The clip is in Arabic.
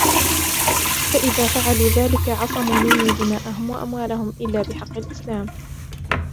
فَإِذَا فَعَلُوا ذَلِكَ عَصَمُوا مِنِّي دِمَاءَهُمْ وَأَمْوَالَهُمْ إِلاَّ بِحَقِّ الإِسْلامِ